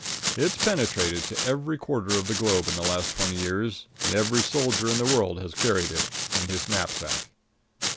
It's penetrated to every quarter of the globe in the last twenty years, and every soldier in the world has carried it in his knapsack.